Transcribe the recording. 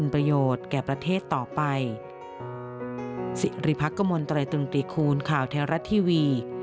โปรดติดตามตอนต่อไป